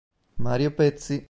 Mario Pezzi